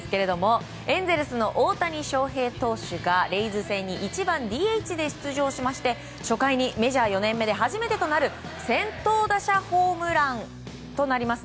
エンゼルスの大谷翔平投手がレイズ戦に１番ＤＨで出場しまして初回に、メジャー４年目で初めてとなる先頭打者ホームランとなります